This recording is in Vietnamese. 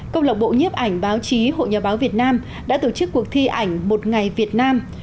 công lộc bộ nhiếp ảnh báo chí hội nhà báo việt nam đã tổ chức cuộc thi ảnh một ngày việt nam